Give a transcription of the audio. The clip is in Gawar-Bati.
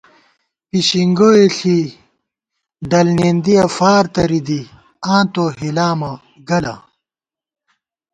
پشِنگوئے ݪی ڈل نېندِیہ فار تَرِی دی ، آن تو ہِلامہ گَلہ